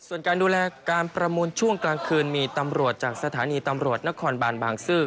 ส่วนการดูแลการประมูลช่วงกลางคืนมีตำรวจจากสถานีตำรวจนครบานบางซื่อ